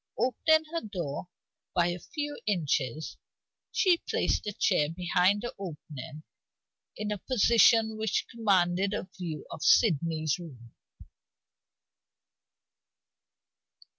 Opening her door by a few inches, she placed a chair behind the opening in a position which commanded a view of Sydney's room.